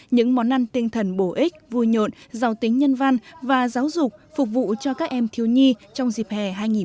những món ăn tinh thần bổ ích vui nhộn giàu tính nhân văn và giáo dục phục vụ cho các em thiếu nhi trong dịp hè hai nghìn một mươi chín